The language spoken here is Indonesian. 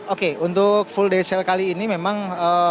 oke untuk full day sale kali ini memang